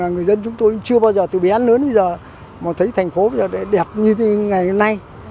người dân chúng tôi chưa bao giờ từ bé đến lớn mà thấy thành phố bây giờ đẹp như ngày hôm nay